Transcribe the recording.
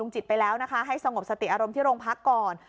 จะงบสติอารมณ์ที่โรงพักก่อน